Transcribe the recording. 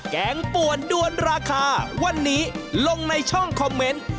แกงป่วนด้วนราคาวันนี้ลงในช่องคอมเมนต์